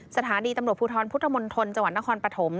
สถานีตำรวจภูทรพุทธมณฑลจังหวัดนครปฐม